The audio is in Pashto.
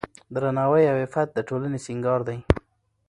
درناوی او عفت د ټولنې سینګار دی.